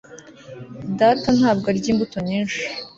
data ntabwo arya imbuto nyinshi